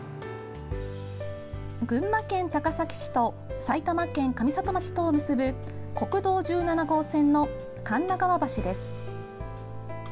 群馬県高崎市と埼玉県上里町とを結ぶ国道１７号線の神流川橋です。